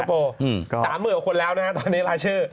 ก็ตอนนี้รายชื่อ๓เหมือนกับคนแล้ว